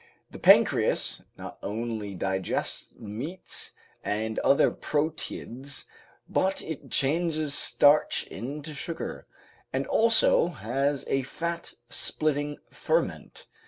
The pancreas not alone digests the meats and other proteids, but it changes starch into sugar, and also has a fat splitting ferment.